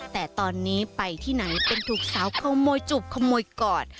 แต่ตอนนี้ไปที่ไหนเป็นถูกสาวขโมยจูบขโมยก่อน